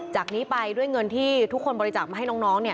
จากนี้ไปด้วยเงินที่ทุกคนบริจาคมาให้น้อง